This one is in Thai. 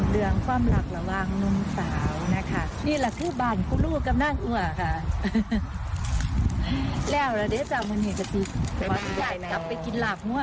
เออประจายจากงั่วงั่วกลัว